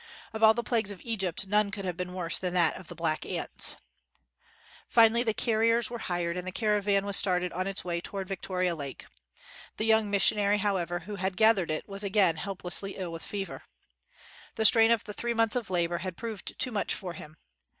Of all the plagues of Egypt, none could have been worse than that of the black ants !" Finally, the carriers were hired and the caravan was started on its way toward Vic toria Lake. The young missionary, how ever, who had gathered it was again help lessly ill with fever. The strain of the three months of labor had proved too much for him.